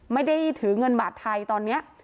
ไม่ได้ถือเงินบาทไทยตอนนี้